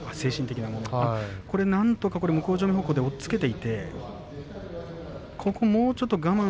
なんとか向正面方向まで押っつけていってここをもう少し我慢。